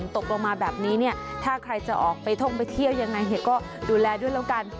ถ้าใครจะออกไปท่องไปเที่ยวยังไงก็ดูแลด้วยแล้วกัน